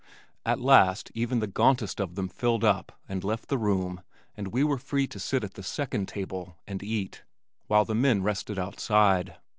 At last even the gauntest of them filled up and left the room and we were free to sit at "the second table" and eat, while the men rested outside.